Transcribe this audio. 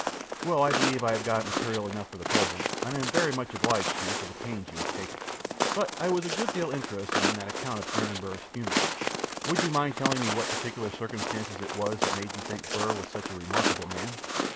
Q. Well, I believe I have got material enough for the present, and I am very much obliged to you for the pains you have taken. But I was a good deal interested in that account of Aaron Burr's funeral. Would you mind telling me what particular circumstance it was that made you think Burr was such a remarkable man?